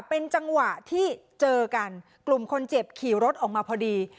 เป็นจังหวะที่เจอกันกลุ่มคนเจ็บขี่รถออกมาพอดี